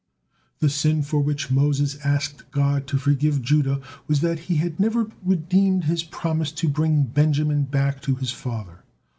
The sin for which Moses asked God to forgive Judah was that he had never redeemed his promise to bring Benjamin back to his father.